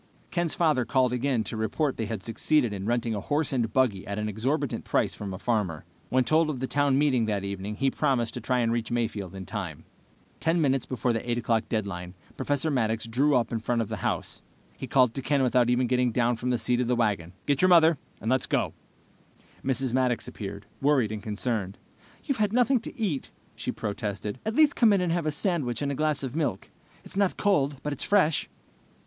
Ken's father called again to report they had succeeded in renting a horse and buggy at an exorbitant price from a farmer. When told of the town meeting that evening, he promised to try to reach Mayfield in time. Ten minutes before the 8 o'clock deadline, Professor Maddox drew up in front of the house. He called to Ken without even getting down from the seat of the wagon. "Get your mother, and let's go!" Mrs. Maddox appeared, worried and concerned. "You've had nothing to eat," she protested. "At least come in and have a sandwich and a glass of milk. It's not cold, but it's fresh."